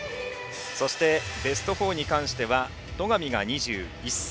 そして、ベスト４に関しては戸上が２１歳。